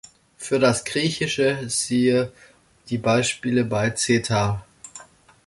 Für das Griechische siehe die Beispiele bei Zeta.